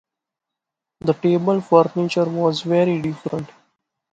The table furniture was very different.